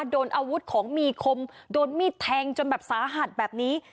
โดนอาวุธของมีคมโดนมีดแทงจนแบบสาหัสแบบนี้